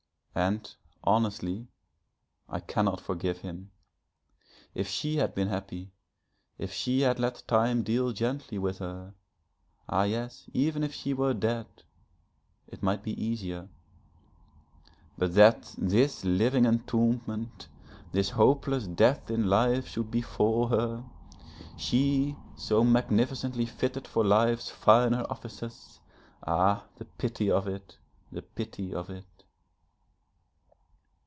And, honestly, I cannot forgive him. If she had been happy, if she had let time deal gently with her ah yes, even if she were dead it might be easier. But that this living entombment, this hopeless death in life should befall her, she so magnificently fitted for life's finer offices, ah, the pity of it, the pity of it!...